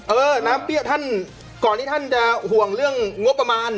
เออน้ำเปี้ยท่านก่อนที่ท่านจะห่วงเรื่องงบประมาณ